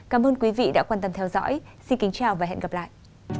cảm ơn quý vị đã quan tâm theo dõi xin kính chào và hẹn gặp lại